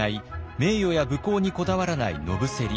名誉や武功にこだわらない野伏。